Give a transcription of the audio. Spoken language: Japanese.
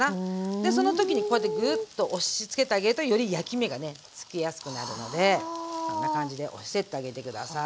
でその時にこうやってグッと押しつけてあげるとより焼き目がねつけやすくなるのでこんな感じで押してってあげて下さい。